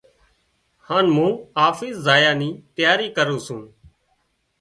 هانَ مُون آفيس زايا نِي تياري ڪروُن سُون۔